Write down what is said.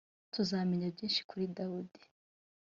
tuzamenya byinshi kuri dawidi